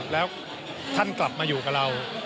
แล้วท่านกลับมาอยู่กับเรา